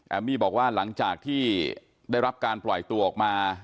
มี่บอกว่าหลังจากที่ได้รับการปล่อยตัวออกมา